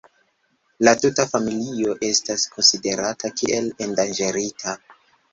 La tuta familio estas konsiderata kiel endanĝerita.